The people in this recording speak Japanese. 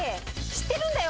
知ってるんだよ